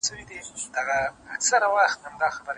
زه که نه سوم ته، د ځان په رنګ دي کم